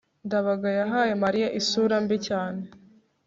ndabaga yahaye mariya isura mbi cyane